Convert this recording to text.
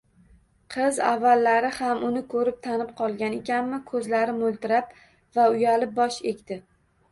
Qiz avvalari ham uni koʻrib, tanib qolgan ekanmi, koʻzlari moʻltirab va uyalib bosh egdi.